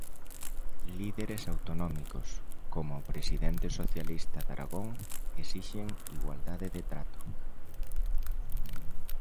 Líderes autonómicos, coma o presidente socialista de Aragón, esixen igualdade de trato.